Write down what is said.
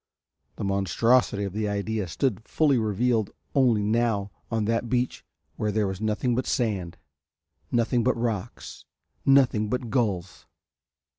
The monstrosity of the idea stood fully revealed only now on that beach where there was nothing but sand, nothing but rocks, nothing but gulls.